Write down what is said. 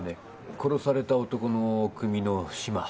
殺された男の組のシマ。